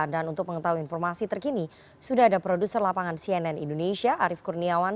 dan untuk mengetahui informasi terkini sudah ada produser lapangan cnn indonesia arief kurniawan